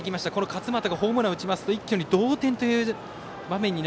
勝股がホームランを打ちますと一気に同点という場面。